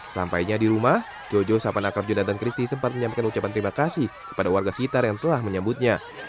sampainya di rumah jojo sapan akrab jonathan christie sempat menyampaikan ucapan terima kasih kepada warga sekitar yang telah menyambutnya